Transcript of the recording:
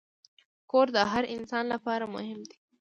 کور د هر انسان لپاره مهم دی.